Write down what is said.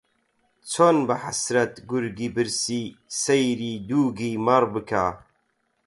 چۆن بە حەسرەت گورگی برسی سەیری دووگی مەڕ بکا